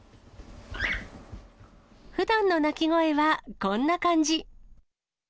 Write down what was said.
ふだんの鳴き声はこんな感じ。